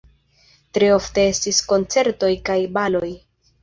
Tre ofte estis koncertoj kaj baloj.